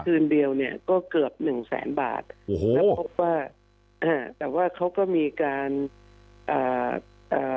คืนเดียวเนี้ยก็เกือบหนึ่งแสนบาทโอ้โหแต่ว่าเขาก็มีการเอ่อ